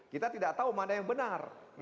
kita tidak tahu mana yang benar